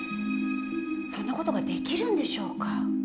そんな事ができるんでしょうか？